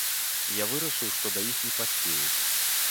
Я вырашыў, што да іх не паспею.